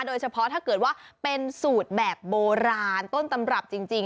โดยเฉพาะถ้าเกิดว่าเป็นสูตรแบบโบราณต้นตำรับจริง